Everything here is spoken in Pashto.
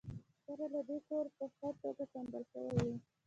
سره له دې کور په ښه توګه سمبال شوی و